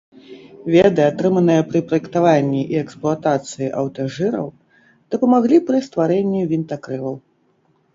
Веды, атрыманыя пры праектаванні і эксплуатацыі аўтажыраў, дапамаглі пры стварэнні вінтакрылаў.